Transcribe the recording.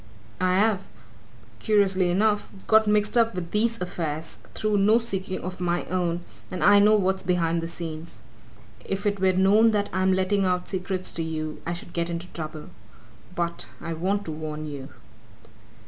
I've curiously enough got mixed up with these affairs, through no seeking of my own, and I know what's behind the scenes. If it were known that I'm letting out secrets to you, I should get into trouble. But, I want to warn you!"